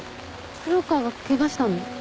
黒川がケガしたの？